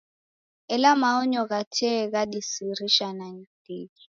Ela maonyo gha tee ghadisirisha ndighi.